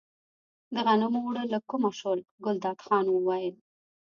د غنمو اوړه له کومه شول، ګلداد خان وویل.